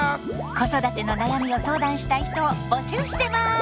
子育ての悩みを相談したい人を募集してます！